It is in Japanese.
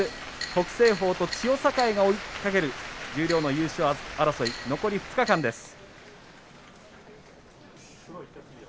北青鵬と千代栄が追いかける十両の優勝争い残り２日間です。